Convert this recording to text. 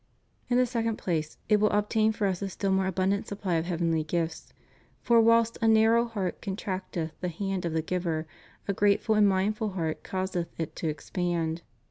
"^ In the second place it will obtain for us a still more abundant supply of heavenly gifts; for whilst a narrow heart contracteth the hand of the giver, a grateful and mindful heart causeth it to expand.